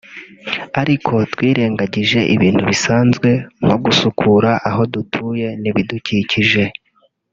ariko twirengagije ibintu bisanzwe nko gusukura aho dutuye n’ibidukikije